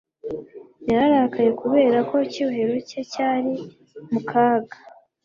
Yararakaye kubera ko icyubahiro cye cyari mu kaga.